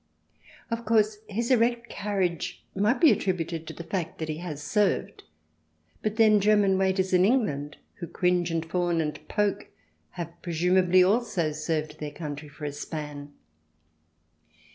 Of course, his erect carriage might be attributed to the fact that he has served ; but then, German waiters in England who cringe and fawn and poke have presumably also served their country for a span.